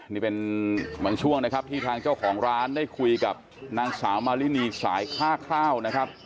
นี่เป็นบางช่วงนะครับที่ทางเจ้าของร้านได้คุยกับนางสาวมารินีสายค่าข้าวนะครับ